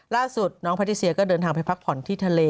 ล่าสุดน้องแพทิเซียก็เดินทางไปพักผ่อนที่ทะเล